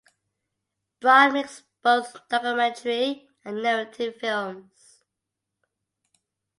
Braun makes both documentary and narrative films.